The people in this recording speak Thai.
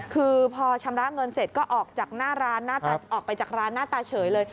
คือพอชำระเงินเสร็จก็ออกจากร้านหน้าตาเฉยเลย